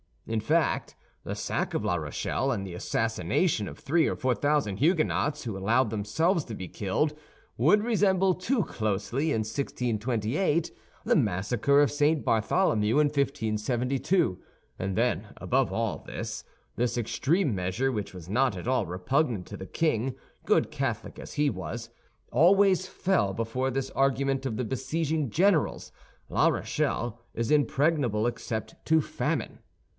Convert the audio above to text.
In fact, the sack of La Rochelle, and the assassination of three of four thousand Huguenots who allowed themselves to be killed, would resemble too closely, in 1628, the massacre of St. Bartholomew in 1572; and then, above all this, this extreme measure, which was not at all repugnant to the king, good Catholic as he was, always fell before this argument of the besieging generals—La Rochelle is impregnable except to famine.